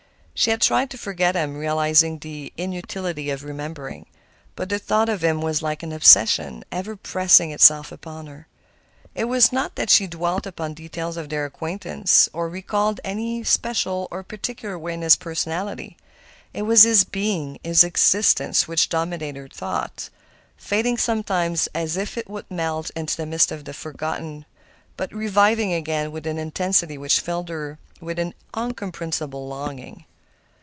She had tried to forget him, realizing the inutility of remembering. But the thought of him was like an obsession, ever pressing itself upon her. It was not that she dwelt upon details of their acquaintance, or recalled in any special or peculiar way his personality; it was his being, his existence, which dominated her thought, fading sometimes as if it would melt into the mist of the forgotten, reviving again with an intensity which filled her with an incomprehensible longing.